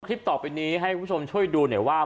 คลิปต่อไปนี้ให้ผู้ชมช่วยดูว่า